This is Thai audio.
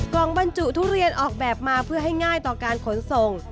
บรรจุทุเรียนออกแบบมาเพื่อให้ง่ายต่อการขนส่ง